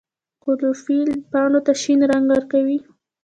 کلوروفیل پاڼو ته شین رنګ ورکوي